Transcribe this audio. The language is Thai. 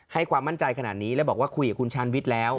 ความมั่นใจขนาดนี้แล้วบอกว่าคุยกับคุณชาญวิทย์แล้ว